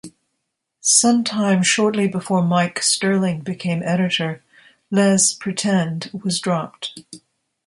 Sometime shortly before Mike Stirling became editor, Les Pretend was dropped.